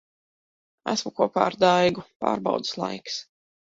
Esmu kopā ar Daigu. Pārbaudes laiks.